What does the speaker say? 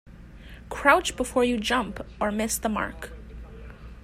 Crouch before you jump or miss the mark.